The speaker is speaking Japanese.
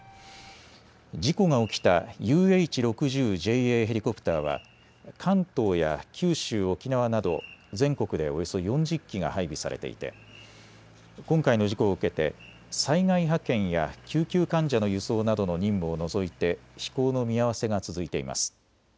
事故が起きたＵＨ６０ＪＡヘリコプターは関東や九州、沖縄など全国でおよそ４０機が配備されていて今回の事故を受けて災害派遣や救急患者の輸送などの任務を除いて飛行の見合わせが続いています。